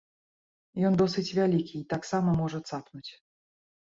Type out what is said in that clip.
Ён досыць вялікі і таксама можа цапнуць.